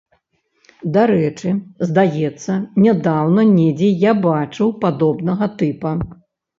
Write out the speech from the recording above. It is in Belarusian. Дарэчы, здаецца, нядаўна недзе я бачыў падобнага тыпа.